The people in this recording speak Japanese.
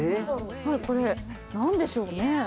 これ何でしょうね。